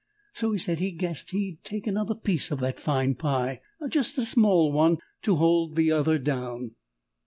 So he said he guessed he'd take another piece of that fine pie just a small one to hold the other down.